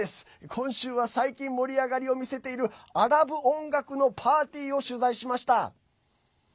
今週は最近、盛り上がりを見せているアラブ音楽のパーティーを取材しました。